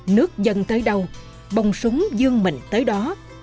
nước dân tới đâu bồng súng dương mình tới đó